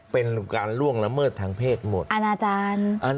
เป็นการล่วงละเมิดทางเพศหมดอาณาจารย์